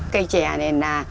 cây chè này là